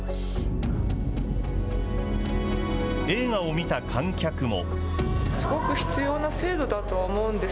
映画を見た観客も。